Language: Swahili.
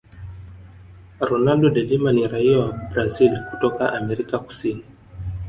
ronaldo delima ni rai wa brazil kutoka amerika kusini